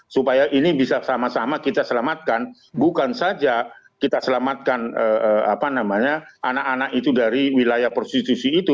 supaya ini bisa sama sama kita selamatkan bukan saja kita selamatkan anak anak itu dari wilayah prostitusi itu